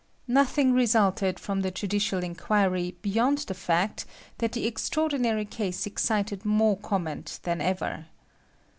Nothing resulted from the judicial inquiry beyond the fact that the extraordinary case excited more comment than ever.